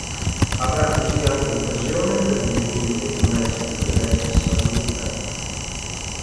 Avrà così anche l'occasione per divenire il maestro di Alexis Simon Belle.